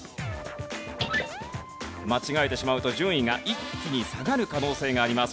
間違えてしまうと順位が一気に下がる可能性があります。